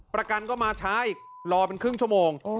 ประกันก็มาช้าอีกรอเป็นครึ่งชั่วโมง